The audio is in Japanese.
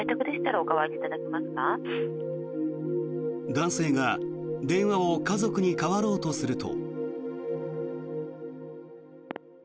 男性が電話を家族に代わろうとすると。